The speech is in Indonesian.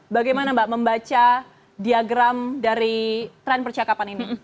bagaimana mbak membaca diagram dari tren percakapan ini